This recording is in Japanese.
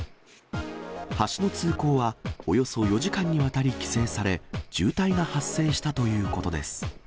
橋の通行はおよそ４時間にわたり規制され、渋滞が発生したということです。